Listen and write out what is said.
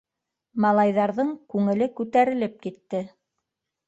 Малайҙарҙың күңеле күтәрелеп китте.